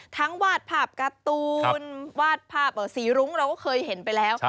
วาดภาพการ์ตูนวาดภาพสีรุ้งเราก็เคยเห็นไปแล้ว